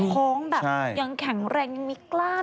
ท้องแบบยังแข็งแรงยังมีกล้าม